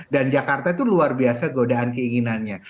dan jakarta itu luar biasa godaan keinginannya